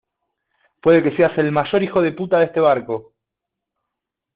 puede que seas el mayor hijo de puta de este barco